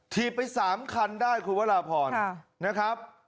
ถีบไป๓คันได้คุณวราพรนะครับ